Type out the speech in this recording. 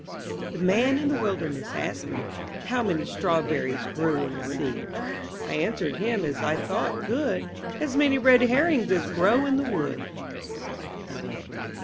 ^HE Man in the wilderness Asked me How many strawberries Grew in the sea; I^ answered him as I thought good^ As many red herrings ^s~grow in the wood.